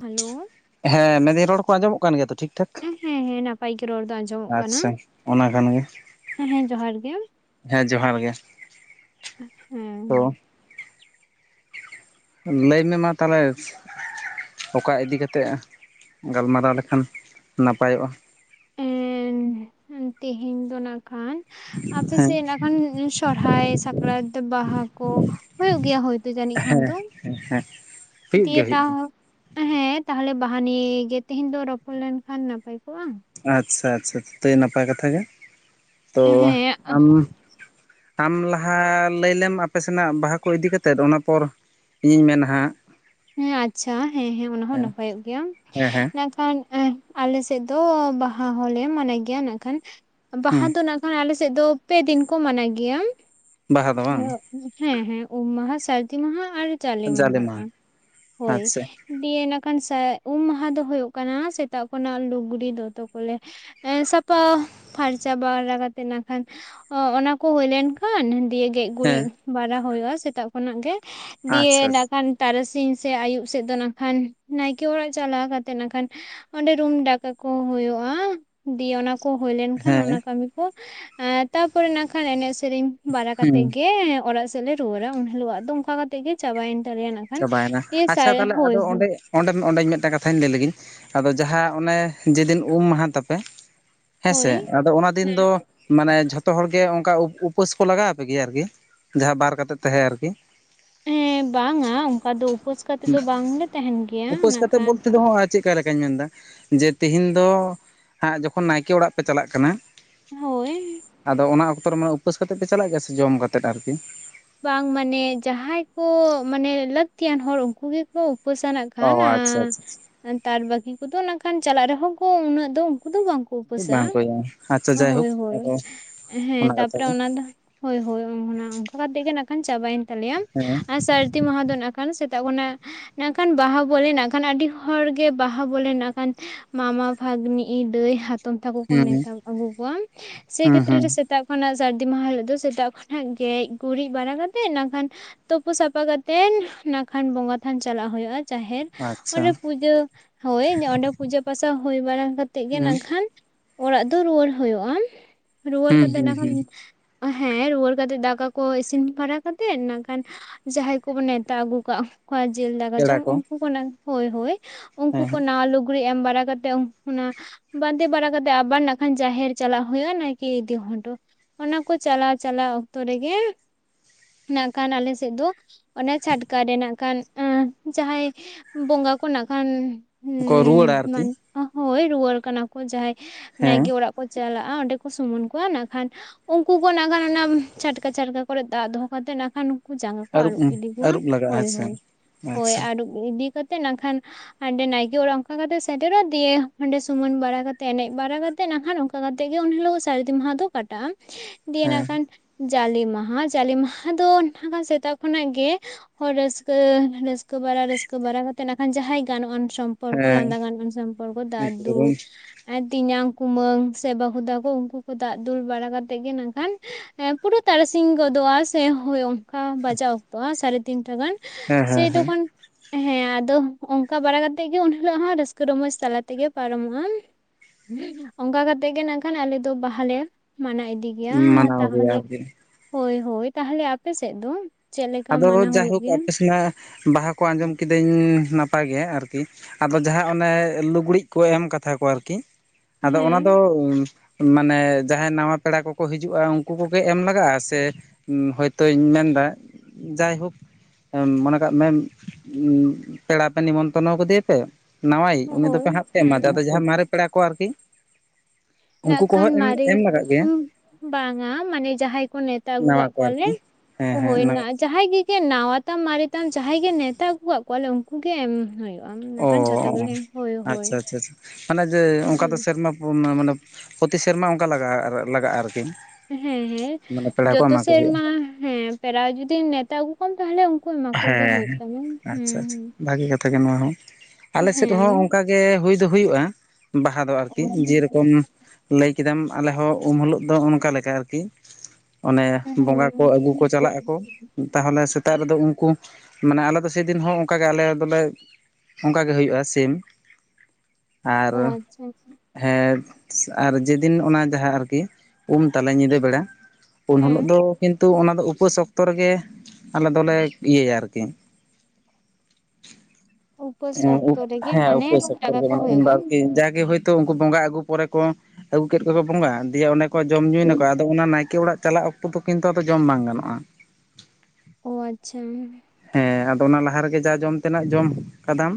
Hello. ᱦᱮᱸ ᱢᱮᱱ ᱟᱹᱧ ᱨᱚᱲ ᱠᱚ ᱟᱸᱡᱚᱢᱚᱜ ᱠᱟᱱ ᱜᱮᱭᱟ ᱛᱚ ᱴᱷᱤᱠ ᱴᱷᱟᱠ? ᱮᱸ ᱦᱮᱸ ᱦᱮᱸ ᱱᱟᱯᱟᱭ ᱜᱮ ᱨᱚᱲ ᱫᱚ ᱟᱸᱡᱚᱢᱚᱜ ᱠᱟᱱᱟ ᱟᱪᱪᱷᱟ ᱚᱱᱟ ᱠᱷᱟᱱ ᱜᱮ ᱾ ᱦᱮᱸ ᱦᱮᱸ ᱡᱚᱦᱟᱨ ᱜᱮ ᱾ ᱦᱮᱸ ᱡᱚᱦᱟᱨ ᱜᱮ ᱾ ᱦᱮᱸ ᱾ ᱞᱟᱹᱭ ᱢᱮ ᱢᱟ ᱛᱟᱦᱚᱞᱮ [unintelligible] ᱚᱠᱟ ᱤᱫᱤ ᱠᱟᱛᱮ ᱜᱟᱞᱢᱟᱨᱟᱣ ᱞᱮᱠᱷᱟᱱ ᱱᱟᱯᱟᱭᱚᱜᱼᱟ? ᱮᱸ ᱛᱮᱦᱮᱧ ᱫᱚ ᱱᱟᱜ ᱠᱷᱟᱱ ᱦᱮᱸ ᱟᱯᱮᱥᱮᱱ ᱱᱟᱜ ᱠᱷᱟᱱ ᱤᱸᱼᱼ ᱥᱚᱨᱦᱟᱭ, ᱥᱟᱠᱨᱟᱛ, ᱵᱟᱦᱟ ᱠᱚ ᱦᱳᱭᱳᱜ ᱜᱮᱭᱟ ᱦᱳᱭᱼᱼ ᱡᱟᱹᱱᱤᱡ ᱠᱷᱟᱱ ᱦᱮᱸ ᱫᱚ, ᱦᱮᱸ ᱦᱩᱭᱩᱜ ᱫᱤᱭᱮ ᱜᱮᱭᱟ ᱦᱩᱭᱩᱜ ᱛᱟᱣᱼᱼ ᱜᱮᱭᱟ ᱦᱮᱸ ᱛᱟᱦᱚᱞᱮ ᱵᱟᱦᱟ ᱱᱤᱭᱮ ᱜᱮ ᱛᱮᱦᱮᱧ ᱫᱚ ᱨᱚᱯᱚᱲ ᱞᱮᱱᱠᱷᱟᱱ ᱱᱟᱯᱟᱭ ᱠᱚᱜᱼᱟ ᱾ ᱟᱪᱪᱷᱟ ᱟᱪᱪᱷᱟ ᱛᱮ ᱱᱟᱯᱟᱭ ᱠᱟᱛᱷᱟ ᱜᱮ, ᱛᱚ ᱦᱮᱸ ᱟᱢᱼᱼ ᱦᱮᱸ ᱟᱢ ᱞᱟᱦᱟ ᱞᱟᱹᱭ ᱞᱮᱢ ᱟᱯᱮ ᱥᱮᱱᱟᱜ ᱵᱟᱦᱟ ᱠᱚ ᱤᱫᱤ ᱠᱟᱛᱮᱫ, ᱚᱱᱟ ᱯᱚᱨᱼᱼ ᱤᱧᱤᱧ ᱢᱮᱱᱟ ᱦᱟᱸᱜ ᱾ ᱦᱮᱸ ᱟᱪᱪᱷᱟ ᱦᱮᱸ ᱦᱮᱸ ᱚᱱᱟ ᱦᱚᱸ ᱱᱟᱯᱟᱭᱚᱜ ᱜᱮᱭᱟ ᱦᱮᱸ ᱦᱮᱸ ᱾ [unintelligible] [unintelligible] ᱟᱞᱮ ᱥᱮᱫ ᱫᱚ ᱵᱟᱦᱟ ᱦᱚᱸᱞᱮ ᱢᱟᱱᱮ ᱜᱮᱭᱟ ᱱᱟᱜ ᱠᱷᱟᱱ, ᱵᱟᱦᱟ ᱦᱩᱸ ᱫᱚ ᱱᱟᱜᱼᱼ ᱟᱞᱮᱥᱮᱫ ᱫᱚ ᱯᱮ ᱫᱤᱱ ᱠᱚ ᱢᱟᱱᱟ ᱜᱮᱭᱟ ᱾ ᱵᱟᱦᱟ ᱫᱚ ᱵᱟᱝ [unintelligible] ᱦᱮᱸ ᱦᱮᱸ ᱩᱢ ᱢᱟᱦᱟ, ᱥᱟᱹᱨᱫᱤ ᱢᱟᱦᱟ, ᱟᱨ ᱡᱟᱞᱮ ᱢᱟᱦᱟ, ᱦᱳᱭ ᱟᱪᱪᱷᱟ ᱾ ᱫᱤᱭᱮ ᱮᱱᱟ ᱠᱷᱟᱱ ᱥᱮ ᱩᱢ ᱢᱟᱦᱟ ᱫᱚ ᱦᱩᱭᱩᱜ ᱠᱟᱱᱟ ᱥᱮᱛᱟᱜ ᱠᱷᱚᱱᱟᱜ ᱞᱩᱜᱽᱲᱤ ᱫᱚᱛᱚ ᱠᱚᱞᱮᱼᱼ ᱦᱮ ᱥᱟᱯᱷᱟ ᱯᱷᱟᱨᱪᱟ ᱵᱟᱲᱟ ᱤᱭᱟ ᱠᱟᱛᱟᱮᱫ ᱱᱟᱜ ᱠᱷᱟᱱᱼᱼ ᱦᱚᱸ ᱚᱱᱟᱠᱚ ᱦᱩᱭ ᱞᱮᱱ ᱠᱷᱟᱱ ᱫᱤᱭᱮ ᱜᱮᱼᱼ ᱦᱮᱸ ᱜᱩᱨᱤᱡ ᱵᱟᱲᱟ ᱦᱩᱭᱩᱜᱼᱟ ᱥᱮᱛᱟᱜ ᱠᱷᱚᱱᱟᱜ ᱜᱮ, ᱫᱤᱭᱮ ᱟᱪᱪᱷᱟ ᱱᱟᱜ ᱠᱷᱟᱱᱼᱼ ᱛᱟᱨᱟᱥᱤᱧ ᱥᱮ ᱟᱹᱭᱩᱵ ᱥᱮᱫ ᱫᱚ ᱱᱟᱜ ᱠᱷᱟᱱ ᱱᱟᱭᱠᱮ ᱚᱲᱟᱜ ᱪᱟᱞᱟᱣ ᱠᱟᱛᱮᱫ ᱱᱟᱜ ᱠᱷᱟᱱᱼᱼ ᱚᱸᱰᱮ ᱨᱩᱢ ᱰᱟᱠᱟ ᱠᱚ ᱦᱩᱭᱩᱜᱼᱟ, ᱫᱤᱭᱮ ᱚᱱᱟᱼᱼ ᱠᱚ ᱦᱩᱭ ᱞᱮᱱ ᱠᱷᱟᱱ ᱦᱮᱸ ᱚᱱᱟ ᱠᱟᱹᱢᱤ ᱠᱚ, ᱛᱟᱯᱚᱨᱮ ᱱᱟᱜ ᱠᱷᱟᱱ ᱮᱱᱮᱡ ᱥᱮᱨᱮᱧᱼᱼ ᱵᱟᱲᱟ ᱦᱩᱸ ᱠᱟᱛᱮᱜ ᱜᱮ ᱚᱲᱟᱜ ᱥᱮᱫ ᱞᱮ ᱨᱩᱣᱟᱹᱲᱟ ᱩᱱ ᱦᱤᱞᱚᱜ ᱫᱚ ᱚᱱᱠᱟ ᱠᱟᱛᱮᱜ ᱜᱤ ᱪᱟᱵᱟᱭᱮᱱ ᱛᱟᱞᱮᱭᱟ ᱾ ᱦᱮᱸ ᱪᱟᱵᱟᱭᱮᱱᱟ ᱜᱮ ᱟᱪᱪᱷᱟ ᱥᱟᱭᱟ ᱛᱟᱦᱚᱞᱮ ᱦᱳᱭ ᱟᱫᱚ ᱦᱳᱭ ᱚᱸᱰᱮ ᱾ ᱚᱸᱰᱮ ᱚᱸᱰᱮᱧ ᱢᱤᱫᱴᱟᱝ ᱠᱟᱛᱷᱟᱧ ᱞᱟᱹᱭ ᱞᱮᱜᱤᱧ ᱟᱫᱚ ᱡᱟᱦᱟᱸ ᱚᱱᱮ ᱡᱮᱫᱤᱱ ᱩᱢ ᱢᱟᱦᱟ ᱛᱟᱯᱮᱼᱼ ᱦᱳᱭ ᱦᱮᱸᱥᱮ ᱟᱫᱚ ᱚᱱᱟ ᱫᱤᱱ ᱦᱮᱸ ᱫᱚᱼᱼ ᱢᱟᱱᱮ ᱡᱷᱚᱛᱚ ᱦᱚᱲᱜᱮ ᱚᱱᱠᱟ ᱩᱯᱟᱹᱥ ᱠᱚ ᱞᱟᱜᱟᱣ ᱟᱯᱮ ᱜᱮᱭᱟ ᱟᱨᱠᱤ ᱾ ᱡᱟᱦᱟᱸ ᱵᱟᱨ ᱠᱟᱛᱮᱜ ᱛᱟᱦᱮᱸ ᱟᱨᱠᱤ ᱾ ᱦᱮᱸ ᱵᱟᱝᱟ ᱚᱱᱠᱟ ᱫᱚ ᱩᱯᱟᱹᱥ ᱠᱟᱛᱮᱫ ᱫᱚ ᱵᱟᱝᱞᱮ ᱛᱟᱸᱦᱮᱱ ᱜᱮᱭᱟ ᱩᱯᱟᱹᱥ ᱢᱮᱱ ᱠᱟᱛᱮᱫ ᱠᱷᱟᱱᱼᱼ ᱵᱚᱞᱛᱮ ᱫᱚ ᱦᱚᱸᱜᱼᱚᱭ ᱪᱮᱫᱠᱟ ᱞᱮᱠᱟᱧ ᱢᱮᱱᱫᱟ, ᱡᱮ ᱛᱤᱦᱤᱧ ᱫᱚ ᱟ ᱡᱚᱠᱷᱚᱱ ᱱᱟᱭᱠᱮ ᱚᱲᱟᱜ ᱯᱮ ᱪᱟᱞᱟᱜ ᱠᱟᱱᱟᱼᱼ ᱦᱳᱭ ᱾ ᱟᱫᱚ ᱚᱱᱟ ᱚᱠᱛᱚ ᱨᱮᱢᱟ ᱩᱯᱟᱹᱥ ᱠᱟᱛᱮᱫ ᱯᱮ ᱪᱟᱞᱟᱜ ᱜᱮᱭᱟ ᱥᱮ ᱡᱚᱢ ᱠᱟᱛᱮᱫ ᱟᱨᱠᱤ ᱾ ᱵᱟᱝ ᱢᱟᱱᱮ ᱡᱟᱦᱟᱸᱭ ᱠᱚ ᱢᱟᱱᱮ ᱞᱟᱹᱠᱛᱤᱭᱟᱱ ᱦᱚᱲ ᱩᱱᱠᱩ ᱜᱮᱠᱚᱼᱼ ᱩᱯᱟᱹᱥᱟ ᱱᱟᱜ ᱚ ᱠᱷᱟᱱ ᱟᱪᱪᱷᱟ ᱟᱪᱪᱷᱟ ᱟᱸᱼᱼ ᱛᱟᱨ ᱵᱟᱠᱤ ᱠᱚᱫᱚ ᱠᱷᱟᱱ ᱪᱟᱞᱟᱜ ᱨᱮᱦᱚᱸ ᱠᱚ ᱩᱱᱟᱹᱜ ᱫᱚ ᱩᱱᱠᱩ ᱫᱚ ᱵᱟᱝ ᱾ ᱩᱯᱟᱹᱥᱟ ᱵᱟᱝᱠᱚ ᱤᱭᱟᱹ ᱟᱪᱪᱷᱟ ᱾ ᱦᱳᱭ ᱡᱟᱭᱦᱳᱠ ᱦᱳᱭ, ᱟᱫᱚ ᱦᱮᱸ ᱚᱱᱟ ᱠᱟᱛᱷᱟ ᱛᱟᱯᱚᱨᱮ ᱜᱮ ᱚᱱᱟ ᱫᱚ, ᱦᱳᱭ ᱦᱳᱭ ᱚᱱᱟ ᱚᱝᱠᱟ ᱾ ᱦᱚ ᱛᱮᱦᱮᱧ ᱱᱟᱜ ᱠᱷᱟᱱ ᱪᱟᱵᱟᱭᱮᱱ ᱛᱟᱞᱮᱭᱟ, ᱦᱮᱸ ᱟᱨ ᱥᱟᱹᱨᱫᱤ ᱢᱟᱦᱟ ᱫᱚ ᱱᱟᱜ ᱠᱷᱟᱱ ᱥᱮᱛᱟᱜ ᱠᱷᱚᱱᱟᱜ ᱱᱟᱜ ᱠᱷᱟᱱ ᱵᱟᱦᱟ ᱵᱚᱞᱮ ᱱᱟᱜ ᱠᱷᱟᱱ, ᱟᱹᱰᱤ ᱦᱚᱲᱜᱮ ᱵᱟᱦᱟ ᱵᱚᱞᱮ ᱱᱟᱜ ᱠᱷᱟᱱ ᱾ ᱢᱟᱢᱟ ᱵᱷᱟᱜᱽᱱᱤ ᱤ ᱫᱟᱹᱭ ᱦᱟᱛᱚᱢ ᱛᱟᱠᱚ ᱠᱚ ᱦᱩᱸ ᱱᱮᱶᱛᱟ ᱟᱹᱜᱩ ᱠᱚᱣᱟ, ᱥᱮᱭ ᱦᱩᱸ ᱠᱷᱮᱛᱨᱮ ᱦᱩᱸ ᱨᱮ ᱥᱮᱫᱼᱼ ᱥᱮᱛᱟᱜ ᱠᱷᱚᱱᱟᱜ ᱥᱟᱹᱨᱫᱤ ᱢᱟᱦᱟ ᱦᱤᱞᱳᱜ ᱫᱚ ᱥᱮᱛᱟᱜ ᱠᱷᱚᱱᱟᱜ ᱜᱮᱡᱼᱼ ᱜᱩᱨᱤᱡ ᱵᱟᱲᱟ ᱠᱟᱛᱮᱫ ᱱᱟᱜ ᱠᱷᱟᱱ ᱛᱩᱯᱩ ᱥᱟᱯᱷᱟ ᱠᱟᱛᱮᱫ ᱱᱟᱜ ᱠᱷᱟᱱ ᱵᱚᱸᱜᱟ ᱛᱷᱟᱱ ᱪᱟᱞᱟᱜ ᱦᱩᱭᱩᱜᱼᱟ ᱾ ᱡᱟᱦᱮᱨ ᱟᱪᱪᱷᱟ ᱚᱸᱰᱮ ᱯᱩᱡᱟᱹ ᱦᱳᱭ ᱚᱸᱰᱮ ᱯᱩᱡᱟᱹ ᱯᱟᱥᱟ ᱦᱩᱭ ᱵᱟᱲᱟ ᱠᱟᱛᱮ ᱛᱮᱜ ᱜᱮ ᱦᱩᱸ ᱱᱟᱜ ᱠᱷᱟᱱ ᱚᱲᱟᱜ ᱫᱚ ᱨᱩᱣᱟᱹᱲ ᱦᱩᱭᱩᱜᱼᱟ ᱨᱩᱣᱟᱹᱲ ᱦᱩᱸ ᱠᱟᱛᱮᱜ ᱦᱩᱸ ᱱᱟᱜ ᱠᱷᱟᱱᱼᱼ ᱦᱩᱸ ᱦᱮᱸ ᱨᱩᱣᱟᱹᱲ ᱠᱟᱛᱮ ᱫᱟᱠᱟ ᱠᱚᱼᱼ ᱠᱚ ᱤᱥᱤᱱ ᱵᱟᱲᱟ ᱠᱟᱛᱮᱜ ᱱᱟᱜ ᱠᱷᱟᱱ ᱡᱟᱸᱦᱟᱭ ᱠᱚ ᱵᱚᱱ ᱱᱮᱣᱛᱟ ᱟᱹᱜᱩ ᱠᱟᱜᱼᱟ [unintelligible] ᱡᱤᱞ ᱫᱟᱠᱟ ᱯᱮᱲᱟ ᱡᱚᱢ ᱠᱚ ᱩᱱᱠᱩ [unintelligible] ᱦᱳᱭ ᱦᱳᱭ ᱩᱱᱠᱩ ᱦᱮᱸ ᱠᱚ ᱦᱮᱸ ᱱᱟᱣᱟ [unintelligible] ᱞᱩᱜᱽᱨᱤ ᱮᱢ ᱵᱟᱲᱟ ᱠᱟᱛᱮᱫ [unintelligible] ᱵᱟᱸᱫᱮ ᱵᱟᱲᱟ ᱠᱟᱛᱮᱜ ᱟᱵᱟᱨ ᱱᱟᱜ ᱠᱷᱟᱱ ᱡᱟᱦᱮᱨ ᱪᱟᱞᱟᱜ ᱦᱩᱭᱩᱜᱼᱟ ᱱᱟᱭᱠᱮ ᱤᱫᱤ ᱦᱚᱴᱚ ᱚᱱᱟ ᱠᱚ ᱪᱟᱞᱟᱣ ᱪᱟᱞᱟᱣ ᱚᱠᱛᱚ ᱨᱮᱜᱮᱼᱼ ᱱᱟᱜ ᱠᱷᱟᱱ ᱟᱞᱮ ᱥᱮᱫ ᱫᱚᱼᱼ ᱚᱱᱟ ᱪᱷᱟᱴᱠᱟ ᱨᱮᱱᱟᱜ ᱠᱷᱟᱱ ᱮᱸ ᱡᱟᱸᱦᱟᱭ ᱵᱚᱸᱜᱟ ᱠᱚ ᱱᱟᱜ ᱠᱷᱟᱱ ᱠᱚ ᱨᱩᱣᱟᱹᱲᱟ ᱟᱨᱠᱤᱼᱼ ᱢᱟᱱ ᱦᱳᱭ ᱨᱩᱣᱟᱹᱲ ᱠᱟᱱᱟ ᱠᱚ ᱡᱟᱦᱟᱸᱭ ᱱᱟᱭᱠᱮ ᱦᱮᱸ ᱚᱲᱟᱜᱼᱼ ᱪᱟᱞᱟᱜᱼᱟ ᱚᱸᱰᱮ ᱠᱚ ᱥᱩᱢᱟᱹᱱ ᱠᱚᱣᱟ ᱱᱟᱜ ᱠᱷᱟᱱ ᱩᱱᱠᱩ ᱠᱚ ᱱᱟᱜ ᱠᱷᱟᱱ ᱚᱱᱟ ᱪᱷᱟᱴᱠᱟ ᱪᱟᱴᱠᱟ ᱠᱚ᱾ ᱫᱟᱜ ᱫᱚᱦᱚ ᱠᱟᱛᱮ ᱱᱟ ᱠᱷᱟᱱ ᱩᱱᱠᱩ ᱡᱟᱸᱜᱟ ᱠᱚ ᱟᱹᱨᱩᱵ ᱤᱫᱤ ᱠᱚᱣᱟ ᱟᱹᱨᱩᱵ ᱞᱟᱜᱟᱜᱼᱟ ᱦᱳᱭ ᱦᱮᱸᱥᱮ ᱦᱳᱭ ᱦᱳᱭ ᱟᱪᱪᱷᱟ ᱟᱹᱨᱩᱵ [unintelligible] ᱤᱫᱤ ᱠᱟᱛᱮᱫ ᱱᱟᱜ ᱠᱷᱟᱱᱼᱼ ᱦᱟᱸᱰᱮ ᱱᱟᱭᱠᱮ ᱚᱲᱟᱜ ᱚᱱᱠᱟ ᱠᱟᱛᱮ ᱥᱮᱴᱮᱨᱚᱜᱼᱟ ᱫᱤᱭᱮ ᱚᱸᱰᱮ ᱥᱩᱢᱩᱱ ᱵᱟᱲᱟ ᱠᱟᱛᱮ ᱮᱱᱮᱡ ᱵᱟᱲᱟ ᱠᱟᱛᱮ ᱱᱟᱠᱷᱟᱱᱼᱼ ᱠᱟ ᱠᱟᱛᱮᱫ ᱜᱮ ᱩᱱ ᱦᱤᱞᱳᱜ ᱥᱟᱹᱨᱫᱤ ᱢᱟᱦᱟ ᱫᱚ ᱠᱟᱴᱟᱜᱼᱟ ᱫᱤᱭᱮ ᱱᱟᱜ ᱦᱮᱸ ᱠᱷᱟᱱ ᱡᱟᱞᱮ ᱢᱟᱦᱟ᱾ ᱟᱨ ᱡᱟᱞᱮ ᱢᱟᱦᱟ ᱫᱚ [unintelligible] ᱥᱮᱛᱟᱜ ᱠᱷᱚᱱᱟᱜ ᱜᱮᱼᱼ ᱦᱚᱲ ᱨᱟᱹᱥᱠᱟᱹ ᱨᱟᱹᱥᱠᱟᱹ ᱵᱟᱲᱟ ᱨᱟᱹᱥᱠᱟᱹ ᱵᱟᱲᱟ ᱠᱟᱛᱮᱫ ᱱᱟᱜ ᱠᱷᱟᱱ ᱡᱟᱦᱟᱸᱭ ᱜᱟᱱᱚᱜ ᱟᱱ ᱥᱚᱢᱼᱼ ᱯᱚᱨᱠᱚ ᱦᱮᱸ ᱞᱟᱸᱫᱟ ᱜᱟᱱᱚᱜᱼᱟ ᱥᱚᱢᱯᱚᱨ ᱠᱚ ᱩᱱᱠᱩ ᱫᱟᱫᱩᱼᱼ ᱠᱚᱵᱚᱱ ᱛᱮᱧᱟᱝ ᱠᱩᱢᱟᱹᱝ ᱥᱮ ᱵᱟᱹᱦᱩ ᱛᱟᱠᱚ ᱩᱱᱠᱩ ᱠᱚ ᱫᱟᱜ ᱫᱩᱞ ᱵᱟᱲᱟ ᱠᱟᱛᱮᱜ ᱜᱮ ᱱᱟᱠᱷᱟᱱ ᱯᱩᱨᱟᱹ ᱛᱟᱨᱥᱤᱼᱼ ᱥᱤᱧ ᱜᱚᱫᱚᱜᱼᱟ ᱥᱮ ᱦᱚᱭ ᱚᱱᱠᱟ ᱵᱟᱡᱟᱣ ᱚᱠᱛᱚᱜᱼᱟ ᱥᱟᱲᱮ ᱛᱤᱱᱴᱟ ᱜᱟᱱ ᱦᱮᱸ ᱥᱮ ᱦᱮᱸ ᱦᱮᱸ ᱛᱚᱠᱷᱚᱱᱼᱼ ᱦᱮᱸ ᱟᱫᱚ ᱚᱱᱠᱟ ᱵᱟᱲᱟ ᱠᱟᱛᱮᱜ ᱜᱮ ᱩᱱ ᱦᱤᱞᱚᱜ ᱦᱚᱸ ᱨᱟᱹᱥᱠᱟᱹ ᱨᱚᱢᱚᱡ ᱛᱟᱞᱟ ᱛᱮᱜᱮ ᱯᱟᱨᱚᱢᱚᱜᱼᱟ᱾ ᱚᱱᱠᱟ ᱠᱟᱛᱮ ᱜᱮ ᱱᱟᱜ ᱠᱷᱟᱱ ᱟᱞᱮ ᱫᱚ ᱵᱟᱦᱟᱞᱮ ᱢᱟᱱᱟᱣ ᱤᱫᱤ ᱜᱮᱭᱟ ᱢᱟᱱᱟᱣ ᱜᱮᱭᱟ ᱛᱟᱦᱚᱞᱮ ᱟᱨᱠᱤ ᱦᱳᱭ ᱦᱳᱭ ᱛᱟᱦᱚᱞᱮ ᱟᱯᱮ ᱥᱮᱫ ᱫᱚᱼᱼ ᱟᱫᱚ ᱡᱟᱭᱦᱳᱠ ᱟᱯᱮ ᱥᱮᱱᱟᱜ ᱵᱟᱦᱟ ᱠᱚ ᱟᱸᱡᱚᱢ ᱠᱤᱫᱟᱹᱧ ᱱᱟᱯᱟᱭ ᱜᱮ ᱟᱨᱠᱤ ᱟᱫᱚ ᱡᱟᱦᱟᱸ ᱚᱱᱮ ᱞᱩᱜᱽᱲᱤᱡ ᱠᱚ ᱮᱢ ᱠᱟᱛᱷᱟ ᱠᱚ ᱟᱨᱠᱤ ᱟᱫᱚ ᱚᱱᱟ ᱫᱚᱼᱼ ᱦᱮᱸ ᱢᱟᱱᱮ ᱡᱟᱦᱟᱸᱭ ᱱᱟᱣᱟ ᱯᱮᱲᱟ ᱠᱚᱠᱚ ᱦᱤᱡᱩᱜᱼᱟ ᱩᱱᱠᱩ ᱠᱚ ᱜᱮ ᱮᱢ ᱞᱟᱜᱟᱜᱼᱟ ᱥᱮ ᱦᱩᱸ ᱦᱚᱭᱛᱚᱧ ᱢᱮᱱ ᱮᱫᱟ ᱡᱟᱭᱦᱳᱠ ᱢᱚᱱᱮ ᱠᱟᱜ ᱢᱮ ᱯᱮᱲᱟ ᱯᱮ ᱱᱤᱢᱚᱱᱛᱨᱚᱱᱚ ᱠᱟᱫᱮ ᱟᱯᱮ᱾ ᱱᱟᱶᱟᱭ ᱩᱱᱤ ᱦᱳᱭ ᱫᱚᱯᱮ ᱦᱟᱸᱜ ᱯᱮ ᱦᱮᱸ ᱮᱢᱟᱫᱮ ᱟᱫᱚ ᱡᱟᱦᱟᱸᱭ ᱢᱟᱨᱮ ᱯᱮᱲᱟ ᱠᱚ ᱟᱨᱠᱤᱼᱼ ᱱᱟᱜ ᱠᱷᱟᱱ ᱢᱟᱨᱮ ᱵᱟᱝᱟ ᱢᱟᱱᱮ ᱡᱟᱦᱟᱸᱭ ᱠᱚ ᱱᱮᱶᱛᱟ ᱟᱹᱜᱩ ᱱᱟᱣᱟ ᱠᱟᱜ ᱠᱚ ᱠᱚᱣᱟᱞᱮ᱾ ᱟᱨᱠᱤ ᱚ ᱦᱮᱸ ᱦᱮᱸ ᱦᱳᱭᱱᱟ ᱱᱟᱣᱟ ᱡᱟᱦᱟᱸᱭ ᱜᱮᱼᱼ ᱱᱟᱣᱟ ᱛᱟᱢ ᱢᱟᱨᱮ ᱛᱟᱢ ᱡᱟᱦᱟᱸᱭ ᱜᱮ ᱱᱮᱣᱛᱟ ᱟᱹᱜᱩ ᱠᱟᱜ ᱠᱚᱣᱟ ᱞᱮ ᱩᱱᱠᱩ ᱜᱮ ᱮᱢ ᱦᱩᱭᱩᱜᱼᱟ᱾ ᱚ ᱢᱮᱱᱠᱷᱟᱱ ᱡᱷᱚᱛᱚ ᱜᱮᱞᱮ ᱦᱳᱭ ᱦᱳᱭ ᱟᱪᱪᱷᱟ ᱟᱪᱪᱷᱟ ᱟᱪᱪᱷᱟ ᱢᱟᱱᱮ ᱡᱮ ᱚᱱᱠᱟ ᱫᱚ ᱥᱮᱨᱢᱟ [unintelligible] ᱢᱟᱱᱮ᱾ ᱯᱚᱛᱤ ᱥᱮᱨᱢᱟ ᱚᱱᱠᱟ ᱞᱟᱜᱟᱜᱼᱟ ᱟᱨ ᱞᱟᱜᱟᱜᱼᱟ ᱟᱨᱠᱤ ᱦᱮᱸ ᱦᱮᱸ ᱢᱟᱱᱮ ᱯᱮᱲᱟ ᱠᱚ ᱡᱚᱛᱚ ᱮᱢᱟ ᱠᱚ ᱦᱩᱭᱩᱜᱼᱟ ᱥᱮᱨᱢᱟ ᱦᱮᱸ ᱯᱮᱲᱟ ᱡᱩᱫᱤ ᱱᱮᱶᱛᱟ ᱟᱹᱜᱩᱼᱼ ᱠᱚᱢ ᱛᱟᱦᱚᱞᱮ ᱩᱱᱠᱩ ᱮᱢᱟ ᱠᱚ ᱜᱮ ᱦᱩᱭᱩᱜ ᱛᱟᱢᱟ ᱦᱮᱸ ᱦᱮᱸ ᱛᱮᱜᱮ ᱱᱚᱣᱟ ᱦᱚᱸ ᱟᱞᱮ ᱥᱮᱫ ᱦᱚᱸ ᱚᱱᱠᱟ ᱜᱮ ᱦᱩᱭ ᱫᱚ ᱦᱩᱭᱩᱜᱼᱟ᱾ ᱵᱟᱦᱟ ᱫᱚ ᱟᱨᱠᱤ ᱡᱮᱨᱚᱠᱚᱢᱼᱼ ᱞᱟᱹᱭ ᱠᱮᱫᱟᱢ ᱟᱞᱮ ᱦᱚᱸ ᱩᱢ ᱦᱤᱞᱳᱜ ᱫᱚ ᱚᱱᱠᱟ ᱞᱮᱠᱟ ᱟᱨᱠᱤ ᱚᱱᱮ ᱵᱚᱸᱜᱟ ᱠᱚ ᱟᱹᱜᱩ ᱠᱚ ᱪᱟᱞᱟᱜ ᱟᱠᱚ ᱛᱟᱦᱚᱞᱮ ᱥᱮᱛᱟᱜ ᱨᱮᱫᱚ ᱩᱱᱼᱼ ᱩᱱᱠᱩ ᱢᱟᱱᱮ ᱟᱞᱮ ᱫᱚ ᱥᱮᱫᱤᱱ ᱦᱚᱸ ᱚᱱᱠᱟ ᱜᱮ ᱟᱞᱮ ᱫᱚᱞᱮᱼᱼ ᱚᱱᱠᱟ ᱜᱮ ᱦᱩᱭᱩᱜᱼᱟ ᱥᱮᱢ ᱟᱨᱼᱼ ᱚ ᱟᱪᱪᱷᱟ ᱟᱪᱪᱷᱟ ᱦᱮᱸ ᱟᱨ ᱡᱮᱫᱤᱱ ᱚᱱᱟ ᱡᱟᱦᱟᱸ ᱟᱨᱠᱤ ᱩᱢ ᱛᱟᱞᱮ ᱧᱤᱫᱟᱹ ᱵᱮᱲᱟᱼᱼ ᱩᱱ ᱦᱤᱞᱳᱜ ᱫᱚ ᱦᱮᱸ ᱠᱤᱱᱛᱩ ᱚᱱᱟ ᱫᱚ ᱩᱯᱟᱹᱥ ᱚᱠᱛᱚ ᱨᱮᱜᱮ ᱟᱞᱮ ᱫᱚᱞᱮ ᱤᱭᱟᱹᱭᱟ ᱟᱨᱠᱤ ᱩᱯᱟᱹᱥ ᱚᱠᱛᱚ ᱨᱮᱜᱮ ᱦᱮᱸ ᱢᱟᱱᱮ ᱩᱯᱟᱥ ᱨᱩᱢ ᱚᱠᱛᱚ ᱰᱟᱠᱟ ᱠᱚ ᱦᱩᱭᱩᱜᱼᱟ [unintelligible] ᱟᱨᱠᱤ ᱡᱟᱜᱮ ᱦᱳᱭ ᱛᱚ ᱩᱱᱠᱩ ᱵᱚᱸᱜᱟ ᱟᱹᱜᱩ ᱯᱚᱨᱮ ᱠᱚ ᱟᱹᱜᱩ ᱠᱮᱫ ᱠᱚᱣᱟ ᱠᱚ ᱵᱚᱸᱜᱟ ᱫᱤᱭᱮ ᱚᱱᱮ ᱠᱚ ᱡᱚᱢ ᱦᱩᱸ. ᱧᱩᱭᱱᱟᱠᱚ ᱟᱫᱚ ᱚᱱᱟ ᱱᱟᱭᱠᱮ ᱚᱲᱟᱜ ᱪᱟᱞᱟᱜ ᱚᱠᱛᱚ ᱫᱚ ᱠᱤᱱᱛᱩ ᱟᱫᱚ ᱡᱚᱢ ᱵᱟᱝ ᱜᱟᱱᱚᱜᱼᱟ᱾ ᱚ ᱟᱪᱪᱷᱟ᱾ ᱦᱮᱸ ᱟᱫᱚ ᱚᱱᱟ ᱞᱟᱦᱟ ᱨᱮᱜᱮ ᱡᱟ ᱡᱚᱢ ᱛᱮᱱᱟᱜ ᱡᱚᱢ ᱠᱟᱫᱟᱢ᱾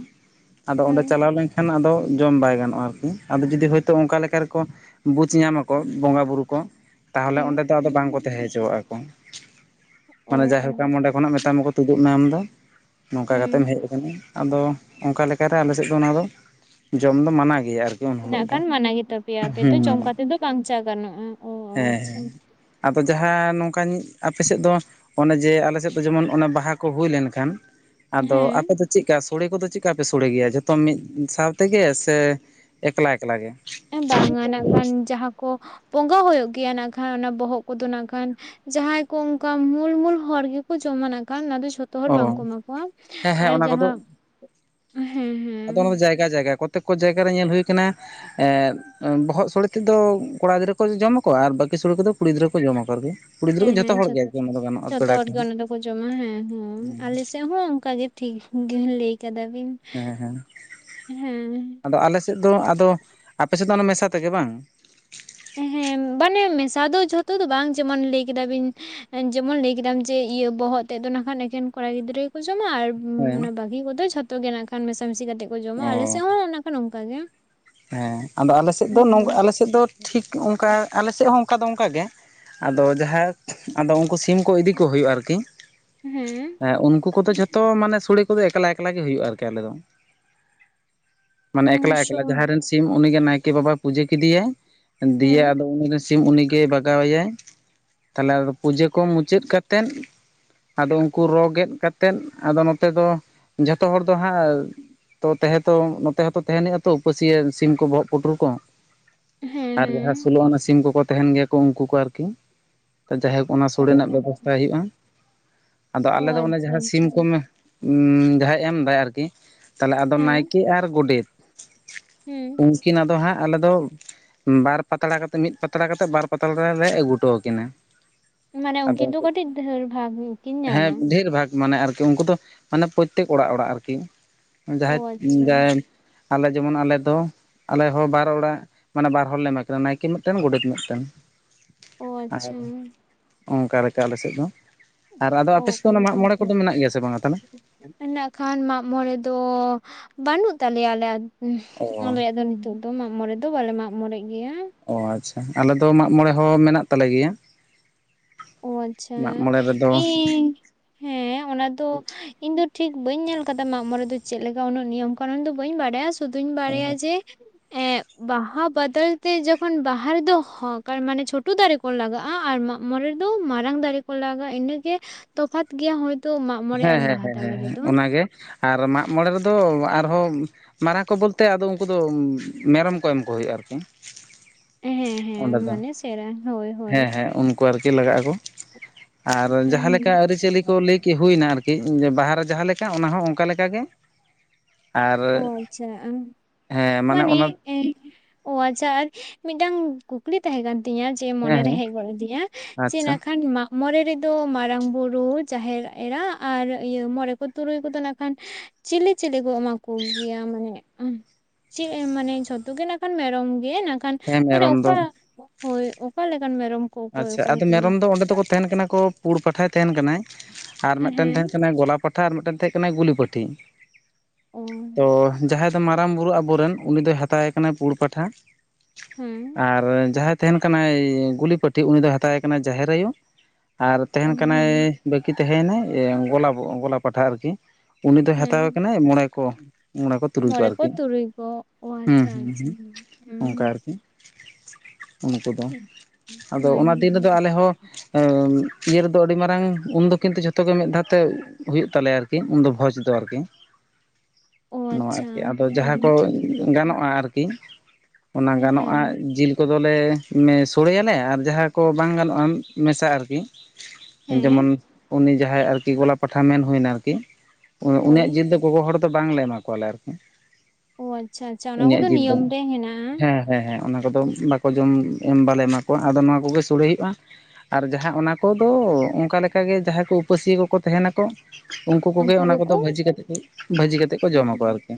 ᱟᱫᱚ ᱚᱸᱰᱮ ᱦᱮᱸ ᱪᱟᱞᱟᱣ ᱞᱮᱱᱠᱷᱟᱱ ᱟᱫᱚ ᱡᱚᱢ ᱵᱟᱭ ᱜᱟᱱᱚᱜᱼᱟ ᱟᱨᱠᱤ ᱟᱫᱚ ᱡᱩᱫᱤ ᱦᱳᱭᱛᱳ ᱚᱱᱠᱟ ᱞᱮᱠᱟ ᱨᱮᱠᱚ ᱵᱩᱡᱽ ᱧᱟᱢᱟ ᱠᱚ ᱵᱚᱸᱜᱟ ᱵᱩᱨᱩ ᱠᱚ ᱛᱟᱦᱚᱞᱮ ᱚᱸᱰᱮ ᱦᱮᱸ ᱫᱚ ᱟᱫᱚ ᱵᱟᱝ ᱠᱚ ᱛᱟᱦᱮᱸ ᱦᱚᱪᱚᱣᱟᱜᱼᱟ ᱠᱚ ᱾ ᱚ ᱢᱟᱱᱮ ᱡᱟᱭ ᱚ ᱦᱳᱠ ᱟᱢ ᱚᱸᱰᱮ ᱠᱷᱚᱱᱟᱜ ᱢᱮᱛᱟᱢᱟ ᱠᱚ ᱛᱩᱫᱩᱜ ᱢᱮ ᱟᱢᱫᱚ ᱱᱚᱝᱠᱟ ᱠᱟᱛᱮᱢ ᱦᱮᱡ ᱦᱮᱸ ᱠᱟᱱᱟ᱾ ᱟᱫᱚ ᱚᱱᱠᱟ ᱞᱮᱠᱟᱨᱮ ᱟᱞᱮ ᱥᱮᱫ ᱫᱚ ᱚᱱᱟᱫᱚ ᱡᱚᱢ ᱫᱚ ᱢᱟᱱᱟ ᱜᱮᱭᱟ ᱟᱨᱠᱤ᱾ ᱩᱱ ᱦᱤᱞᱳᱜ ᱫᱚ ᱠᱷᱟᱱ ᱢᱟᱱᱟ ᱜᱮᱛᱟ ᱯᱮᱭᱟ ᱟᱯᱮ ᱫᱚ ᱦᱩᱸ ᱡᱚᱢ ᱦᱮᱸ ᱠᱟᱛᱮᱫᱚ ᱵᱟᱧ ᱪᱟ ᱜᱟᱱᱚᱜᱼᱟ ᱚ ᱚ ᱟᱪᱪᱷᱟ᱾ ᱦᱮᱸ ᱟᱫᱚ ᱡᱟᱦᱟᱸ ᱱᱚᱝᱠᱟ ᱟᱯᱮ ᱥᱮᱫ ᱫᱚ ᱚᱱᱮ ᱡᱮ ᱟᱞᱮ ᱥᱮᱫ ᱫᱚ ᱡᱮᱢᱚᱱ ᱚᱱᱮ ᱵᱟ ᱞᱟᱦᱟ ᱠᱚ ᱦᱩᱭ ᱞᱮᱱᱠᱷᱟᱱ ᱟᱫᱚ ᱦᱮᱸ ᱟᱯᱮ ᱫᱚ ᱪᱮᱫᱠᱟ ᱥᱚᱲᱮ ᱠᱚᱫᱚ ᱪᱮᱫ ᱞᱮᱠᱟ ᱯᱮ ᱥᱚᱲᱮ ᱜᱮᱭᱟ ᱡᱚᱛᱚ ᱢᱤᱫ ᱥᱟᱶ ᱛᱮᱜᱮ ᱥᱮ ᱮᱠᱞᱟ ᱮᱠᱞᱟ ᱜᱮ? ᱵᱟᱝᱟ ᱱᱟᱜ ᱠᱷᱟᱱ ᱡᱟᱦᱟᱸ ᱠᱚ ᱵᱚᱸᱜᱟ ᱦᱩᱭᱩᱜ ᱜᱮᱭᱟ ᱱᱟᱜ ᱠᱷᱟᱱ ᱚᱱᱟ ᱵᱚᱦᱚᱜ ᱠᱚᱫᱚ ᱱᱟᱜ ᱠᱷᱟᱱ ᱡᱟᱦᱟᱭ ᱠᱚ ᱚᱱᱠᱟ ᱢᱩᱞ ᱢᱩᱞ ᱦᱚᱲ ᱜᱮ ᱠᱚ ᱡᱚᱢᱟ ᱱᱟᱸᱜ ᱠᱷᱟᱱ ᱚᱱᱟ ᱫᱚ ᱡᱚᱛᱚ ᱡᱚᱛᱚ ᱦᱚᱲ ᱵᱟᱝ ᱠᱚ ᱚ ᱮᱢᱟ ᱠᱚᱣᱟ, ᱦᱮᱸ ᱦᱮᱸ ᱟᱨ ᱚᱱᱟ ᱠᱚᱫᱚ ᱡᱟᱦᱟ ᱦᱮᱸ ᱦᱮᱸ᱾ ᱟᱫᱚ ᱚᱱᱟ ᱫᱚ ᱡᱟᱭᱜᱟ ᱡᱟᱭᱜᱟ ᱠᱚᱛᱮᱠ ᱠᱚ ᱡᱟᱭᱜᱟ ᱨᱮ ᱧᱮᱞ ᱦᱩᱭ ᱠᱟᱱᱟ ᱮ ᱵᱚᱦᱚᱜ ᱥᱳᱲᱮ ᱛᱮᱫᱚ ᱠᱚᱲᱟ ᱜᱤᱫᱽᱨᱟᱹ ᱠᱚ ᱡᱚᱢᱟ ᱾ ᱠᱚ ᱟᱨ ᱵᱟᱠᱤ ᱥᱳᱲᱮ ᱠᱚᱫᱚ ᱠᱩᱲᱤ ᱜᱤᱫᱽᱨᱟᱹ ᱠᱚ ᱡᱚᱢᱟ ᱠᱚ ᱟᱨ ᱠᱤ ᱠᱩᱲᱤ ᱦᱮᱸ ᱜᱤᱫᱽᱨᱟᱹ ᱡᱷᱚᱛᱚ ᱦᱮᱸ ᱦᱚᱲ ᱜᱮ ᱟᱨ ᱠᱤ ᱚᱱᱟ ᱫᱚ ᱜᱟᱱᱚᱜᱼᱟ ᱡᱷᱚᱛᱚ ᱯᱮᱲᱟ ᱦᱚᱲ ᱠᱚ ᱜᱮ ᱦᱚᱸ᱾ ᱚᱱᱟ ᱫᱚᱠᱚ ᱡᱚᱢᱟ ᱦᱮᱸ ᱦᱮᱸ ᱟᱞᱮ ᱥᱮᱫ ᱦᱚᱸ ᱚᱱᱠᱟ ᱜᱮ ᱴᱷᱤᱠ ᱜᱮ ᱞᱟᱹᱭ ᱠᱟᱫᱟ ᱵᱤᱱ᱾ ᱦᱮᱸ ᱦᱮᱸ ᱦᱮᱸ ᱟᱫᱚ ᱟᱞᱮ ᱥᱮᱫ ᱫᱚ ᱟᱫᱚ ᱟᱯᱮ ᱥᱮᱫ ᱫᱚ ᱚᱱᱟ ᱢᱮᱥᱟ ᱛᱮᱜᱮ ᱵᱟᱝ? ᱦᱮᱸ ᱢᱟᱱᱮ ᱢᱮᱥᱟ ᱫᱚ ᱡᱷᱚᱛᱚ ᱫᱚ ᱵᱟᱝ ᱡᱮ ᱢᱚᱱ ᱞᱟᱹᱭ ᱠᱮᱫᱟ ᱵᱤᱱ ᱡᱮᱢᱚᱱ ᱞᱟᱹᱭ ᱠᱮᱫᱟᱢ ᱡᱮ ᱤᱭᱟᱹ ᱵᱚᱦᱚᱜ ᱛᱮᱫ ᱫᱚ ᱱᱟᱸᱜ ᱠᱷᱟᱱ ᱮᱠᱮᱱ ᱠᱚᱲᱟ ᱜᱤᱫᱽᱨᱟᱹ ᱠᱚ ᱡᱚᱢᱟ ᱟᱨ ᱦᱮᱸ ᱚᱱᱟ ᱵᱟᱹᱜᱤ ᱠᱚᱫᱚ ᱡᱷᱚᱛᱚ ᱜᱮ ᱱᱟᱸᱜ ᱠᱷᱟᱱ ᱢᱮᱥᱟ ᱢᱤᱥᱤ ᱠᱟᱛᱮᱫ ᱠᱚ ᱡᱚᱢᱟ ᱚ ᱟᱞᱮ ᱥᱮᱫ ᱦᱚᱸ ᱚᱱᱟ ᱚᱱᱠᱟ ᱜᱮ᱾ ᱦᱮᱸ ᱟᱫᱚ ᱟᱞᱮ ᱥᱮᱫ ᱫᱚ ᱱᱚᱝ ᱦᱮᱸ ᱟᱞᱮ ᱥᱮᱫ ᱫᱚ ᱴᱷᱤᱠ ᱚᱱᱠᱟ ᱟᱞᱮ ᱥᱮᱫ ᱦᱚᱸ ᱚᱱᱠᱟ ᱫᱚ ᱚᱱᱠᱟ ᱜᱮ ᱟᱫᱚ [unintelligible] ᱟᱫᱚ ᱩᱱᱠᱩ ᱥᱤᱢ ᱠᱚ ᱤᱫᱤ ᱠᱚ ᱦᱩᱭᱩᱜᱼᱟ ᱟᱨᱠᱤ᱾ ᱦᱮᱸ ᱩᱱᱠᱩ ᱠᱚᱫᱚ ᱡᱷ ᱛᱚ ᱢᱟᱱᱮ ᱥᱳᱲᱮ ᱠᱚᱫᱚ ᱮᱠᱞᱟ ᱮᱠᱞᱟ ᱜᱮ ᱦᱳᱭᱳᱜᱼᱟ ᱟᱨᱠᱤ ᱟᱞᱮ ᱫᱚ ᱢᱟᱱᱮ ᱮᱠᱞᱟ ᱚᱵᱚᱥᱥᱚ ᱮᱠᱞᱟ᱾ ᱡᱟᱦᱟᱸᱭ ᱥᱤᱢ ᱩᱱᱤ ᱜᱮ ᱱᱟᱭᱠᱮ ᱵᱟᱵᱟᱭ ᱯᱩᱡᱟᱹ ᱠᱮᱫᱤ ᱭᱟᱭ ᱫᱤᱭᱮ ᱦᱮᱸ ᱟᱫᱚ ᱩᱱᱤ ᱨᱮᱱ ᱥᱤᱢ ᱩᱱᱤ ᱜᱮᱭ ᱵᱟᱜᱟᱣ ᱮᱭᱟᱭ ᱛᱟᱦᱞᱮ ᱟᱫᱚ ᱯᱩᱡᱟᱹ ᱠᱚ ᱢᱩᱪᱟᱹᱫ ᱠᱟᱛᱮᱫ᱾ ᱟᱫᱚ ᱩᱱᱠᱩ ᱨᱚ ᱜᱮᱫ ᱠᱟᱛᱮᱜ ᱟᱫᱚ ᱱᱚᱛᱮ ᱫᱚ ᱡᱷᱚᱛᱚ ᱦᱚᱲ ᱫᱚ ᱦᱟᱸᱜ ᱛᱚ ᱛᱟᱦᱮᱸ ᱛᱚ ᱱᱚᱛᱮ ᱦᱚᱸᱛᱚ ᱛᱟᱦᱮᱸᱱ ᱦᱚᱭᱩᱼᱟ᱾ ᱛᱚ ᱩᱯᱟᱹ ᱥᱤᱭᱟᱹ ᱥᱤᱢ ᱠᱚ ᱵᱚᱦᱚᱜ ᱯᱩᱴᱩᱨ ᱠᱚ ᱦᱮᱸ ᱟᱨ ᱡᱟᱦᱟ ᱦᱮᱸ ᱥᱳᱞᱳ ᱟᱱᱟ ᱥᱤᱢ ᱠᱚᱠᱚ ᱛᱟᱦᱮᱱ ᱜᱮᱭᱟ ᱠᱚ ᱩᱱᱠᱩ ᱠᱚ ᱟᱨᱠᱤ ᱡᱟᱭᱦᱳᱠ ᱚᱱᱟ ᱥᱳᱲᱮ ᱨᱮᱱᱟᱜ ᱵᱮᱵᱚᱥᱛᱷᱟ ᱦᱩᱭᱩᱜᱼᱟ᱾ ᱟᱫᱚ ᱚ ᱟᱞᱮ ᱫᱚ ᱚᱱᱮ ᱟᱪᱪᱷᱟ ᱡᱟᱦᱟ ᱟᱪᱪᱷᱟ ᱥᱤᱢ ᱠᱚᱢ ᱡᱟᱸᱦᱟᱭ ᱮᱢ ᱫᱟᱭ ᱟᱨ ᱠᱤ ᱛᱟᱦᱞᱮ ᱟᱫᱚ ᱦᱮᱸ ᱱᱟᱹᱭᱠᱮ ᱟᱨ ᱜᱚᱸᱰᱮᱛ ᱦᱩᱸ᱾ ᱩᱱᱠᱤ ᱟᱫᱚ ᱦᱟᱸᱜ ᱟᱞᱮ ᱫᱚ ᱵᱟᱨ ᱯᱟᱛᱲᱟ ᱠᱟᱛᱮᱫ ᱢᱤᱫ ᱯᱟᱛᱲᱟ ᱠᱟᱛᱮᱜ ᱵᱟᱨ ᱯᱟᱛᱲᱟ ᱨᱮ ᱞᱮ ᱟᱹᱜᱩ ᱦᱚᱴᱚ ᱟᱠᱤᱱᱟ᱾ ᱢᱟᱱᱮ ᱩᱱᱠᱤᱱ ᱫᱚ ᱠᱟᱹᱴᱤᱡ ᱰᱷᱮᱨ ᱵᱷᱟᱜᱽ ᱜᱚᱠᱤᱱ ᱦᱮᱸ ᱧᱟᱢᱟ᱾ ᱰᱷᱮᱨ ᱵᱷᱟᱜᱽ ᱢᱟᱱᱮ ᱟᱨᱠᱤ ᱩᱱᱠᱩ ᱫᱚ ᱢᱟᱱᱮ ᱯᱨᱚᱛᱮᱠ ᱚᱲᱟᱜ ᱚᱲᱟᱜ ᱟᱨᱠᱤ ᱚ ᱡᱟᱸᱦᱟᱭ ᱟᱪᱪᱷᱟ ᱡᱟᱸᱦᱟᱭ ᱟᱞᱮ ᱡᱮᱢᱚᱱ ᱟᱞᱮ ᱫᱚ ᱟᱞᱮ ᱦᱚᱸ ᱵᱟᱨ ᱚᱲᱟᱜ ᱢᱟᱱᱮ ᱵᱟᱨ ᱦᱚᱲ ᱞᱮ ᱮᱢᱟ ᱠᱤᱱᱟ ᱱᱟᱹᱭᱠᱮ ᱢᱤᱫᱴᱮᱱ ᱜᱚᱸᱰᱮᱛ ᱢᱤᱫ ᱴᱮᱱ᱾ ᱚ ᱟᱨ ᱟᱪᱪᱷᱟ ᱚᱱᱠᱟ ᱞᱮᱠᱟ ᱟᱞᱮ ᱥᱮᱫ ᱫᱚ᱾ ᱟᱨ ᱟᱫᱚ ᱚ ᱟᱯᱮ ᱥᱮᱫ ᱫᱚ ᱚᱱᱟ ᱢᱟᱜ ᱢᱚᱸᱬᱮ ᱠᱚᱫᱚ ᱢᱮᱱᱟᱜ ᱜᱮᱭᱟ ᱥᱮ ᱵᱟᱝ-ᱟ ᱛᱟᱦᱞᱮ? ᱤᱱᱟᱹᱜ ᱠᱷᱟᱱ ᱢᱟᱜ ᱢᱚᱸᱬᱮ ᱫᱚ ᱵᱟᱹᱱᱩᱜ ᱛᱟᱞᱮᱭᱟ ᱟᱞᱮᱭᱟᱜ ᱫᱚ ᱾ ᱚ ᱟᱞᱮᱭᱟᱜ ᱫᱚ ᱱᱤᱛᱚᱜ ᱫᱚ ᱢᱟᱜ ᱢᱚᱸᱬᱮ ᱫᱚ ᱵᱟᱞᱮ ᱢᱟᱜ ᱢᱚᱸᱬᱮ ᱜᱮᱭᱟ᱾ ᱚ ᱟᱪᱪᱷᱟ ᱟᱞᱮ ᱫᱚ ᱢᱟᱜ ᱢᱚᱸᱬᱮ ᱦᱚᱸ ᱢᱮᱱᱟᱜ ᱛᱟᱞᱮ ᱜᱮᱭᱟ᱾ ᱚ ᱟᱪᱪᱷᱟ ᱢᱟᱜ ᱢᱚᱬᱮ ᱨᱮᱫᱚ ᱤᱧ ᱦᱮᱸ ᱚᱱᱟ ᱫᱚ, ᱤᱧ ᱫᱚ ᱴᱷᱤᱠ ᱵᱟᱹᱧ ᱧᱮᱞ ᱟᱠᱟᱫᱟ ᱢᱟᱜ ᱢᱚᱸᱬᱮ ᱫᱚ ᱪᱮᱫ ᱞᱮᱠᱟ ᱩᱱᱟᱹᱜ ᱱᱤᱭᱚᱢ ᱠᱟᱨᱚᱱ ᱫᱚ ᱵᱟᱹᱧ ᱵᱟᱰᱟᱭᱼᱟ᱾ ᱥᱩᱫᱷᱩᱧ ᱵᱟᱲᱟᱭᱟ ᱡᱮ ᱮᱸᱜ ᱵᱟᱦᱟ ᱵᱚᱫᱚᱞ ᱛᱮ ᱡᱚᱠᱷᱚᱱ ᱵᱟᱦᱟ ᱨᱮᱫᱚ ᱦᱚᱸ ᱢᱟᱱᱮ ᱪᱷᱳᱴᱳ ᱫᱟᱲᱮ ᱠᱚ ᱞᱟᱜᱟᱜᱼᱟ ᱟᱨ ᱢᱟᱜ ᱢᱚᱸᱬᱮ ᱫᱚ ᱢᱟᱨᱟᱝ ᱫᱟᱲᱮ ᱠᱚ ᱞᱟᱜᱟᱜᱼᱟ ᱤᱱᱟᱹᱜᱮ ᱛᱚᱯᱷᱟᱛ ᱜᱮᱭᱟ ᱦᱚᱭᱛᱳ ᱾ ᱦᱮᱸ ᱦᱮᱸ ᱦᱮᱸ ᱦᱮ ᱚᱱᱟ ᱜᱮ ᱟᱨ ᱢᱟᱜ ᱢᱚᱸᱬᱮ ᱨᱮᱫᱚ ᱟᱨ ᱦᱚᱸ ᱢᱟᱨᱟᱝ ᱠᱚ ᱵᱚᱞ ᱛᱮ ᱟᱫᱚ ᱩᱱᱠᱩ ᱫᱚ ᱢᱮᱨᱚᱢ ᱠᱚ ᱮᱢ ᱠᱚ ᱦᱩᱭᱩᱜᱼᱟ ᱟᱨᱠᱤ᱾ ᱦᱮᱸ ᱦᱮᱸ ᱚᱸᱰᱮ ᱢᱟᱱᱮ ᱥᱮᱲᱟ ᱦᱳᱭ ᱦᱳᱭ᱾ ᱠᱚ ᱟᱨ ᱠᱤ ᱞᱟᱜᱟᱜ ᱟᱠᱚ ᱟᱨ ᱡᱟᱦᱟ ᱦᱮᱸ ᱞᱮᱠᱟ ᱟᱹᱨᱤ ᱪᱟᱹᱞᱤ ᱠᱚ ᱞᱟᱹᱭ ᱦᱩᱭ ᱱᱟ ᱟᱨᱠᱤ ᱵᱟᱦᱟ ᱨᱮ ᱡᱟᱦᱟ ᱞᱮᱠᱟ ᱚᱱᱟ ᱦᱚᱸ ᱚᱱᱠᱟ ᱞᱮᱠᱟ ᱜᱮ ᱟᱨ ᱚ ᱟᱪᱪᱷᱟ ᱟᱢ ᱦᱮᱸ ᱢᱟᱱᱮ ᱚᱱᱟ ᱚ ᱟᱪᱷᱟ ᱟᱨ ᱢᱤᱫ ᱴᱟᱝ ᱠᱩᱠᱞᱤ ᱛᱟᱦᱮ ᱠᱟᱱ ᱛᱤᱧᱟᱹ? ᱡᱮ ᱦᱮᱸ ᱢᱚᱱᱮ ᱨᱮ ᱦᱮᱸ ᱦᱮᱡ ᱜᱚᱫ ᱟᱹᱫᱤᱧᱟ ᱪᱮᱫ ᱱᱟᱸᱜ ᱟᱪᱪᱷᱟ ᱠᱷᱟᱱ ᱢᱟᱜ ᱢᱚᱸᱬᱮ ᱨᱮᱫᱚ ᱢᱟᱨᱟᱝ ᱵᱩᱨᱩ ᱡᱟᱦᱮᱨ ᱮᱨᱟ ᱟᱨ ᱤᱭᱟᱹ ᱢᱚᱸᱬᱮ ᱠᱚ ᱛᱩᱨᱩᱭ ᱠᱚᱫᱚ ᱱᱟᱸᱜ ᱠᱷᱟᱱ ᱪᱮᱞᱮ ᱪᱮᱞᱮ ᱠᱚ ᱮᱢᱟ ᱠᱚ ᱜᱮᱭᱟ ᱢᱟᱱᱮ ᱪᱮᱫ ᱢᱟᱱᱮ ᱡᱷᱚᱛᱚ ᱜᱮ ᱱᱟᱜ ᱠᱷᱟᱱ ᱢᱮᱨᱚᱢ ᱜᱮ ᱠᱷᱟᱱ ᱦᱮᱸ ᱢᱟᱱᱮ ᱢᱮᱨᱚᱢ ᱚᱠᱟ ᱫᱚ ᱦᱳᱭ ᱚᱠᱟ ᱞᱮᱠᱟᱱ ᱢᱮᱨᱚᱢ? ᱠᱚ ᱚᱠᱚᱭ ᱟᱪᱪᱷᱟ ᱚᱠᱚᱭ ᱟᱫᱚ ᱠᱚ ᱮᱢᱟ ᱢᱮᱨᱚᱢ ᱠᱚ? ᱫᱚ ᱚᱸᱰᱮ ᱫᱚᱠᱚ ᱛᱟᱦᱮᱱ ᱠᱟᱱᱟ ᱠᱚ ᱯᱩᱲ ᱯᱟᱴᱷᱟᱭ ᱛᱟᱦᱮᱱ ᱠᱟᱱᱟᱭ ᱟᱨ ᱢᱤᱫᱴᱮᱱ ᱦᱮᱸ ᱛᱟᱦᱮᱸ ᱠᱟᱱᱟᱭ ᱜᱚᱞᱟ ᱯᱟᱴᱟ ᱟᱨ ᱢᱤᱫᱴᱮᱱ ᱛᱟᱦᱮᱸ ᱠᱟᱱᱟᱭ ᱜᱩᱞᱤ ᱯᱟᱹᱴᱷᱤ ᱚ ᱛᱚ ᱡᱟᱦᱮ ᱢᱟᱨᱟᱝ ᱵᱩᱨᱩ ᱟᱵᱚᱨᱮᱱ ᱩᱱᱤ ᱫᱚᱭ ᱦᱟᱛᱟᱣᱮ ᱠᱟᱱᱟ ᱯᱩᱲ ᱯᱟᱴᱷᱟ᱾ ᱦᱮᱸ ᱟᱨ ᱡᱟᱦᱟᱸᱭ ᱛᱟᱦᱮᱱ ᱠᱟᱱᱟᱭ ᱜᱩᱞᱤ ᱯᱟᱹᱴᱤ ᱩᱱᱤ ᱫᱚᱭ ᱦᱟᱛᱟᱣ ᱮ ᱠᱟᱱᱟ ᱡᱟᱦᱮᱨ ᱟᱭᱚ᱾ ᱟᱨ ᱚ ᱛᱟᱦᱮᱱ ᱠᱟᱱᱟᱭ ᱦᱮᱸ ᱵᱟᱹᱠᱤ ᱛᱟᱦᱮᱱᱟᱭ ᱜᱳᱞᱟ ᱵᱳ ᱜᱚᱞᱟ ᱯᱟᱴᱷᱟ ᱟᱨᱠᱤ ᱩᱱᱤ ᱫᱚᱭ ᱦᱮᱸ ᱦᱟᱛᱟᱣᱮ ᱠᱟᱱᱟᱭ ᱢᱚᱬᱮ ᱠᱚ᱾ ᱢᱚᱬᱮ ᱠᱚ ᱛᱩᱨᱩᱭ ᱠᱚᱜ ᱢᱚᱬᱮ ᱠᱚ ᱟᱨᱠᱤ ᱛᱩᱨᱩᱭ ᱠᱚ ᱚ ᱟᱪᱪᱷᱟ ᱟᱪᱪᱷᱟ ᱦᱩᱸ ᱚᱱᱠᱟ ᱟᱨᱠᱤ᱾ ᱩᱱᱠᱩ ᱫᱚ ᱦᱩᱸ ᱟᱫᱚ ᱦᱩᱸ ᱚᱱᱟ ᱫᱤᱱ ᱨᱮᱫᱚ ᱦᱩᱸ ᱟᱞᱮ ᱦᱚᱸ ᱤᱭᱟᱹ ᱨᱮᱫᱚ ᱟᱹᱰᱤ ᱢᱟᱨᱟᱝ ᱩᱱᱫᱚ ᱠᱤᱱᱛᱩ ᱡᱷᱚᱛᱚ ᱜᱮ ᱢᱤᱫ ᱫᱷᱟᱣ ᱛᱮ ᱦᱩᱭᱩᱜ ᱛᱟᱞᱮᱭᱟ ᱟᱨᱠᱤ ᱩᱱᱫᱚ ᱵᱷᱚᱡᱽ ᱫᱚ ᱟᱨᱠᱤ [inaudible] ᱱᱚᱣᱟ ᱟᱨᱠᱤ ᱟᱫᱚ ᱡᱟᱦᱟᱸ ᱠᱚ ᱦᱮᱸ ᱜᱟᱱᱚᱜᱼᱟ ᱟᱨᱠᱤ ᱚᱱᱟ ᱜᱟᱱᱚᱜᱼᱟ ᱦᱮᱸ ᱡᱤᱞ ᱠᱚᱫᱚᱞᱮ ᱥᱚᱲᱮᱭᱟᱞᱮ ᱟᱨ ᱡᱟᱦᱟᱸ ᱠᱚ ᱵᱟᱝ ᱜᱟᱱᱚᱜᱼᱟ ᱢᱮᱥᱟᱜ ᱟᱨᱠᱤ ᱡᱮᱢᱚᱱ ᱦᱮᱸ ᱩᱱᱤ ᱡᱟᱦᱟᱸᱭ ᱟᱨᱠᱤ ᱜᱚᱞᱟ ᱯᱟᱴᱟ ᱢᱮᱱ ᱦᱩᱭᱱᱟ ᱟᱨᱠᱤ ᱦᱳᱭ ᱩᱱᱤᱭᱟᱜ ᱡᱤᱞ ᱫᱚ ᱜᱚᱜᱚ ᱦᱚᱲ ᱫᱚ ᱵᱟᱝᱞᱮ ᱮᱢᱟ ᱠᱚᱣᱟᱞᱮ ᱟᱨᱠᱤ ᱚ ᱟᱪᱪᱷᱟ ᱟᱪᱪᱷᱟ ᱚᱱᱟ ᱠᱚᱫᱚ ᱩᱱᱤᱭᱟᱜ ᱡᱤᱞ ᱫᱚ ᱱᱤᱭᱚᱢ ᱨᱮ ᱦᱮᱱᱟᱜᱼᱟ᱾ ᱦᱮᱸ ᱦᱮᱸ ᱦᱮᱸ ᱚᱱᱟ ᱠᱚᱫᱚ ᱵᱟᱠᱚ ᱡᱚᱢ ᱮᱢ ᱵᱟᱞᱮ ᱮᱢᱟ ᱠᱚᱣᱟ ᱟᱫᱚ ᱱᱚᱣᱟ ᱠᱚᱜᱮ ᱥᱳᱚᱲᱮ ᱦᱩᱭᱩᱜᱼᱟ᱾ ᱟᱨ ᱡᱟᱦᱟᱸ ᱚᱱᱟ ᱠᱚᱫᱚ ᱚᱱᱠᱟ ᱞᱮᱠᱟᱜᱮ ᱡᱟᱦᱟᱸᱭ ᱠᱚ ᱩᱯᱟᱹᱥ ᱠᱚᱠᱚ ᱛᱟᱦᱮᱱᱟᱠᱚ᱾ ᱩᱱᱠᱩ ᱠᱚᱜᱮ ᱚᱱᱟ ᱠᱚᱫᱚ ᱵᱷᱟᱹᱡᱤ ᱠᱟᱛᱮᱫ ᱠᱚ ᱵᱷᱟᱹᱡᱤ ᱠᱟᱛᱮᱫ ᱠᱚ ᱡᱚᱢᱟᱠᱚ ᱟᱨᱠᱤ᱾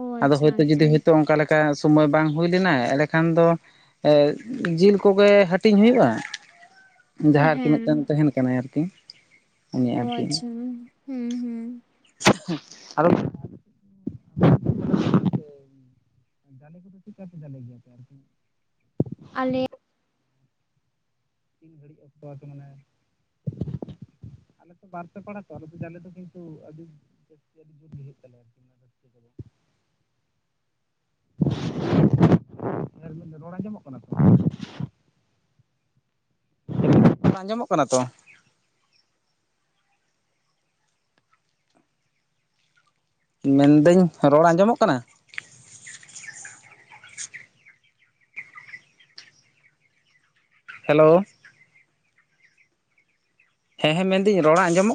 ᱚ ᱟᱫᱚ ᱟᱪᱪᱷᱟ ᱦᱳᱭᱛᱳ ᱟᱪᱪᱷᱟ ᱡᱩᱫᱤ ᱦᱚᱭᱛᱚ ᱚᱱᱠᱟ ᱞᱮᱠᱟ ᱥᱚᱢᱚᱭ ᱵᱟᱝ ᱦᱩᱭ ᱞᱮᱱᱟ ᱮᱸᱰᱮ ᱠᱷᱟᱱ ᱫᱚ ᱡᱤᱞ ᱠᱚᱜᱮ ᱦᱟᱹᱴᱤᱧ ᱦᱩᱭᱩᱜᱼᱟ ᱡᱟᱦᱟᱸᱭ ᱟᱨᱠᱤ ᱦᱮᱸ ᱢᱤᱫᱴᱮᱱ ᱛᱟᱦᱮᱱ ᱠᱟᱱᱟᱭ ᱟᱨᱠᱤ᱾ ᱩᱱᱤ ᱚ ᱟᱪᱪᱷᱟ ᱦᱩᱸ ᱦᱩᱸ᱾ ᱦᱩᱸ ᱟᱫᱚ [inaudible] ᱡᱟᱞᱮ ᱠᱚᱫᱚ ᱪᱮᱫᱠᱟ ᱯᱮ ᱡᱟᱞᱮ ᱜᱮᱭᱟ ᱯᱮ ᱟᱨᱠᱤ? ᱟᱞᱮ ᱛᱤᱱ ᱜᱷᱟᱹᱲᱤᱡ ᱚᱠᱛᱚᱣᱟ ᱛᱮ ᱢᱟᱱᱮ ᱟᱞᱮ ᱛᱚ ᱵᱟᱨ ᱯᱮ ᱯᱟᱲᱟ ᱛᱚ ᱟᱞᱮ ᱡᱟᱞᱮ ᱫᱚ ᱠᱤᱱᱛᱩ ᱟᱹᱰᱤ ᱨᱟᱹᱫᱠᱟᱹ ᱟᱹᱰᱤ ᱡᱳᱨ ᱜᱮ ᱦᱚᱭᱩᱜ ᱛᱟᱞᱮᱭᱟ ᱟᱨᱠᱤ ᱚᱱᱟ ᱨᱟᱹᱥᱠᱟᱹ ᱠᱚᱫᱚ᱾ ᱨᱚᱲ ᱟᱸᱡᱚᱢᱚᱜ ᱠᱟᱱᱟ ᱛᱚ᱾ ᱟᱸᱡᱚᱢᱚᱜ ᱠᱟᱱᱟ ᱛᱚ? ᱢᱮᱱᱫᱟᱹᱧ ᱨᱚᱲ ᱟᱸᱡᱚᱢᱚᱜ ᱠᱟᱱᱟ? ᱦᱮᱞᱳ᱾ ᱦᱮᱸ ᱦᱮᱸ ᱢᱮᱱᱫᱟᱹᱧ ᱨᱚᱲ ᱟᱸᱡᱚᱢᱚᱜ